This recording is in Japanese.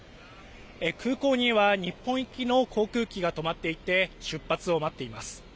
空港には日本行きの航空機が止まっていて出発を待っています。